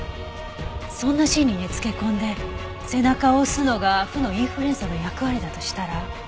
そんな心理に付け込んで背中を押すのが負のインフルエンサーの役割だとしたら。